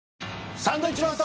サンドウィッチマンと。